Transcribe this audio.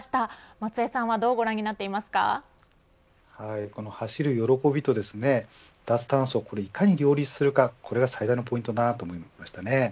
松江さんは走る喜びと脱炭素をいかに両立するかこれが最大のポイントだと思いました。